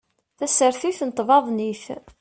Tasertit n tbaḍnit